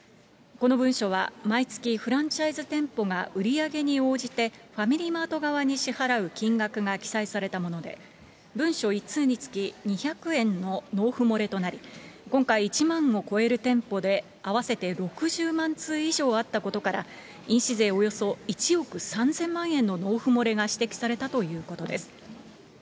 この文書は、毎月フランチャイズ店舗が、売り上げに応じてファミリーマート側に支払う金額が記載されたもので、文書１通につき２００円の納付漏れとなり、今回、１万を超える店舗で、合わせて６０万通以上あったことから、印紙税およそ１億３０００万円の納付漏れが指摘されたということです。